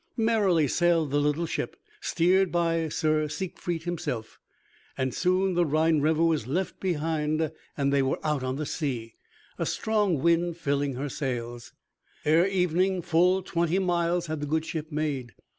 Merrily sailed the little ship, steered by Sir Siegfried himself. Soon the Rhine river was left behind and they were out on the sea, a strong wind filling their sails. Ere evening, full twenty miles had the good ship made.